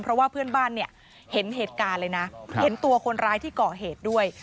เพราะว่าเพื่อนบ้านเนี่ยเห็นเหตุการณ์เลยนะเห็นตัวคนร้ายที่ก่อเหตุด้วย